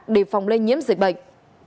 để phòng lây nhiễm dịch bệnh